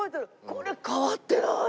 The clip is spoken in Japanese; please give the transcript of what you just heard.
これ変わってない！